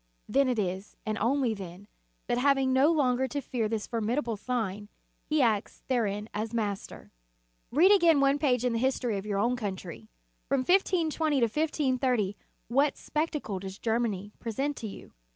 Then it is, and only then, that having no longer to fear this formidable sign, he acts therein as master. Read again one page in the history of your own country. From 1520 to 1530, what spectacle does Germany present to you?